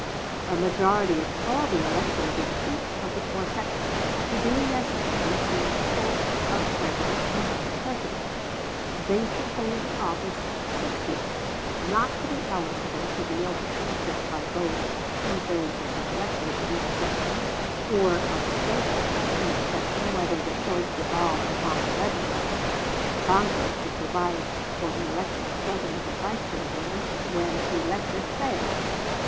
A majority of all the electors in each of the four sections to be necessary to choice of President and Vice President; they should hold the office six years; not to be eligible to reëlection except by vote of two thirds of the electors of each section; or of the States of each section whenever the choice devolved upon the Legislature; Congress to provide for the election of President and Vice President when electors failed.